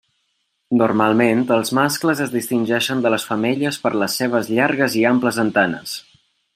Normalment els mascles es distingeixen de les femelles per les seves llargues i amples antenes.